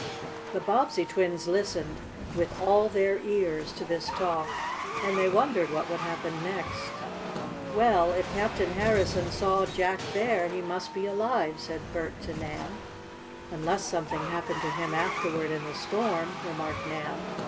The Bobbsey twins listened "with all their ears" to this talk, and they wondered what would happen next. "Well, if Captain Harrison saw Jack there he must be alive," said Bert to Nan. "Unless something happened to him afterward in the storm," remarked Nan.